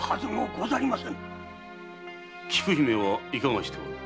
菊姫はいかがしておる？